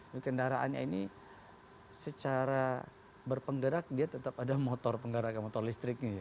nah kendaraannya ini secara berpenggerak dia tetap ada motor penggerakkan motor listriknya